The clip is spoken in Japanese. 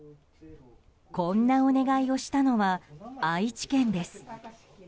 こんなお願いをしたのは愛知県です。